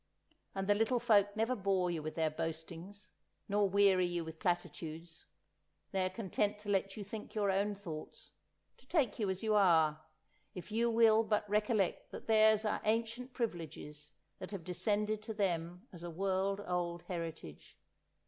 And the little folk never bore you with their boastings, nor weary you with platitudes. They are content to let you think your own thoughts, to take you as you are, if you will but recollect that theirs are ancient privileges that have descended to them as a world old heritage.